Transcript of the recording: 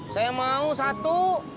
saya mau satu